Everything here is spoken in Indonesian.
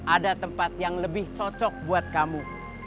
ada tempat yang lebih cocok buat kamu